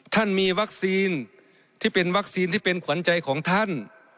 ท่านมีวัคซีนที่เป็นวัคซีนที่เป็นขวัญใจของท่าน